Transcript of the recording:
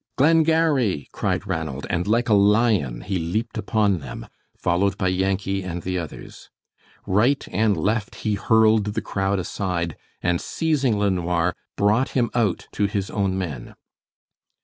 "Glengarry!" cried Ranald, and like a lion he leaped upon them, followed by Yankee and the others. Right and left he hurled the crowd aside, and seizing LeNoir, brought him out to his own men.